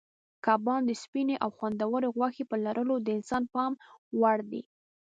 کبان د سپینې او خوندورې غوښې په لرلو د انسان پام وړ دي.